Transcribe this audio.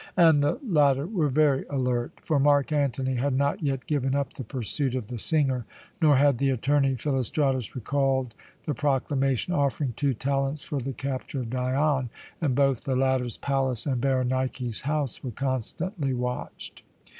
And the latter were very alert; for Mark Antony had not yet given up the pursuit of the singer, nor had the attorney Philostratus recalled the proclamation offering two talents for the capture of Dion, and both the latter's palace and Berenike's house were constantly watched.